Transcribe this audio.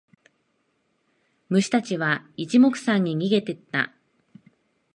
虫たちは一目散に逃げてった。